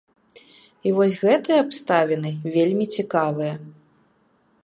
І вось гэтыя абставіны вельмі цікавыя.